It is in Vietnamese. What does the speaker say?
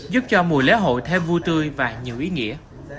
giúp cho mùa lễ hội thêm vui tươi và nhiều ý nghĩa